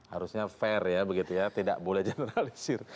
harusnya fair ya begitu ya tidak boleh generalisir